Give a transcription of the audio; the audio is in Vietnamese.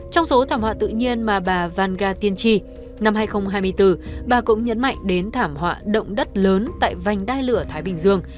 trong số thảm họa tự nhiên mà bà vanga tiên chi năm hai nghìn hai mươi bốn bà cũng nhấn mạnh đến thảm họa động đất lớn tại vành đai lửa thái bình dương